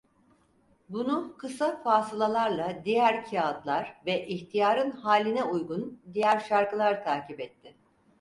Bunu, kısa fasılalarla diğer kağıtlar ve ihtiyarın haline uygun diğer şarkılar takip etti.